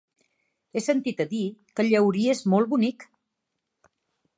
He sentit a dir que Llaurí és molt bonic.